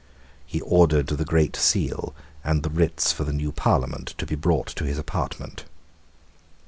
He ordered the Great Seal and the writs for the new Parliament to be brought to his apartment.